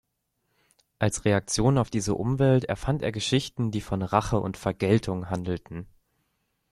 Als Reaktion auf diese Umwelt erfand er Geschichten, die von Rache und Vergeltung handelten.